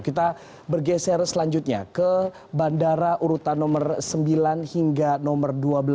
kita bergeser selanjutnya ke bandara urutan nomor sembilan hingga nomor dua belas